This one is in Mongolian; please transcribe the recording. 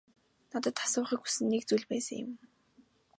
Надад асуухыг хүссэн нэг зүйл байсан юм.